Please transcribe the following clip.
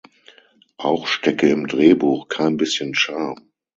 Auch stecke im Drehbuch „kein bisschen Charme“.